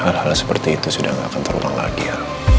hal hal seperti itu sudah tidak akan terulang lagi ya